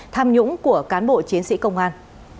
tham nhũng của cán bộ chiến sĩ công an